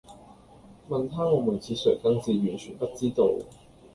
問她我們是誰更是完全不知道